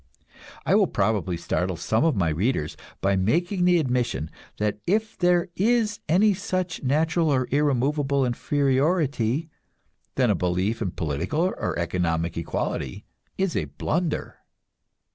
I will probably startle some of my readers by making the admission that if there is any such natural or irremovable inferiority, then a belief in political or economic equality is a blunder.